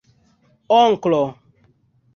onklo